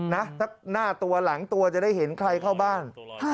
นะถ้าหน้าตัวหลังตัวจะได้เห็นใครเข้าบ้าน